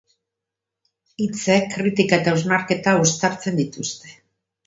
Hitzek kritika eta hausnarketa uztartzen dituzte.